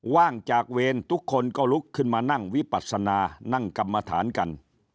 ว่างจากเวรทุกคนก็ลุกขึ้นมานั่งวิปัศนานั่งกรรมฐานกัน